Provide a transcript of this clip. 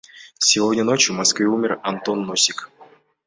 Сегодня ночью в Москве умер Антон Носик.